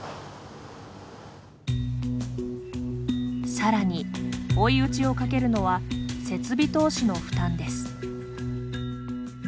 さらに、追い打ちをかけるのは設備投資の負担です。